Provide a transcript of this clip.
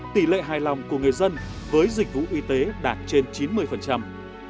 tỷ lệ hài lòng của người dân với dịch vụ y tế đạt trên chín mươi phần trăm